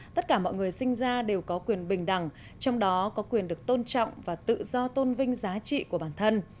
tất cả mọi người sinh ra đều có quyền bình đẳng trong đó có quyền được tôn trọng và tự do tôn vinh giá trị của bản thân